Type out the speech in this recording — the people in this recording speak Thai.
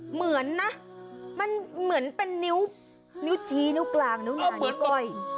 เหมือนนะมันเหมือนเป็นนิ้วชีนิ้วกลางเป็นกรง